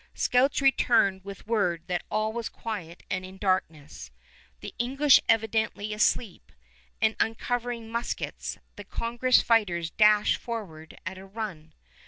Scouts returned with word that all was quiet and in darkness the English evidently asleep; and uncovering muskets, the Congress fighters dashed forward at a run.